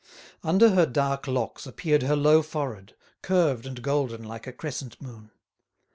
Under her dark locks appeared her low forehead, curved and golden like a crescent moon.